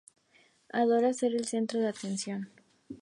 Adora ser el centro de atención.